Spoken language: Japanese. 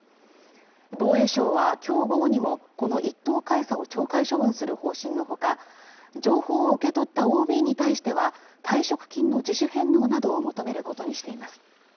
防衛省はきょう午後にもこの１等海佐を懲戒処分する方針のほか情報を受け取ったＯＢに対しては退職金の自主返納などを求めることにしています